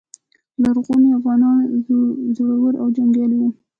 لرغوني افغانان زړور او جنګیالي وو